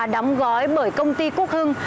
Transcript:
đóng gói bởi công ty cúc hưng